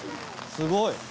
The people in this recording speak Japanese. すごい。